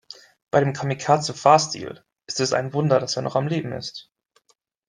Bei dem Kamikaze-Fahrstil ist es ein Wunder, dass er noch am Leben ist.